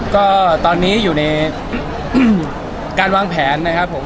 ก็ตอนนี้คือการวางแผนค่ะ